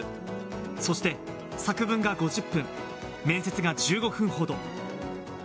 そして作文が５０分、面接が１５分ほど。